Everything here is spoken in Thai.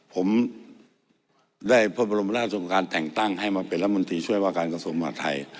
ผมได้พระบรมดาชมการแจ่งตั้งให้มาเป็นรัฐมนตรีช่วยว่าการกสมภัยไทย